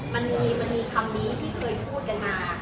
มันมีคำนี้ที่เคยพูดกันมา